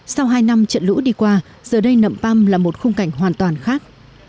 sau hai năm trận lũ đi qua giờ đây nậm păm là một khung cảnh hoàn toàn khác